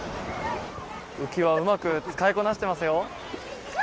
浮輪をうまく使いこなしていますよ。